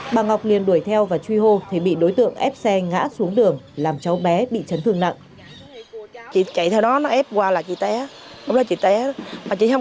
bà ngọc liền đuổi theo và truy hô thì bị đối tượng ép xe ngã xuống đường làm cháu bé bị chấn thương nặng